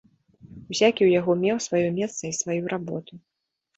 Усякі ў яго меў сваё месца і сваю работу.